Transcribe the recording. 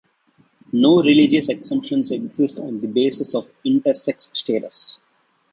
No religious exemptions exist on the basis of intersex status.